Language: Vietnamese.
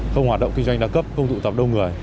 không hoạt động kinh doanh đa cấp không tụ tập đông người